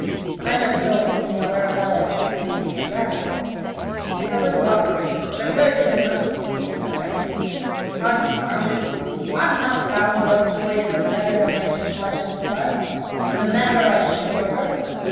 I must go and see how Arabella takes his being a Radical. It's a little awkward; but a clergyman must keep peace in a family. Confound it! I'm not bound to love Toryism better than my own flesh and blood, and the manor I shoot over.